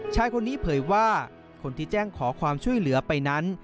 ชายคนนี้เผยว่าคนที่แจ้งขอความช่วยเหลือไปนั้น